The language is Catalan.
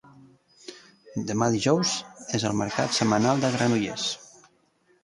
Demà dijous és el mercat setmanal de Granollers